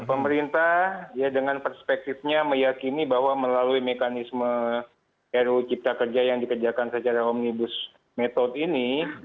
pemerintah ya dengan perspektifnya meyakini bahwa melalui mekanisme ru cipta kerja yang dikerjakan secara omnibus metode ini